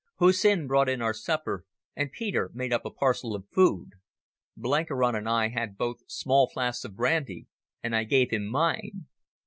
Hussin brought in our supper, and Peter made up a parcel of food. Blenkiron and I had both small flasks of brandy and I gave him mine.